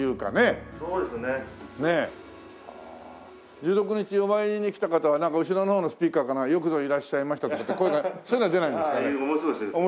１６日お参りに来た方はなんか後ろの方のスピーカーから「よくぞいらっしゃいました」とかって声がそういうのは出ないんですかね？